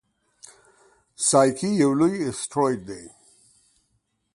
سایکي یو لوی اسټروېډ دی.